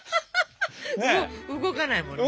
動かないもんね。